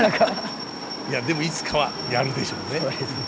いやでもいつかはやるでしょうね。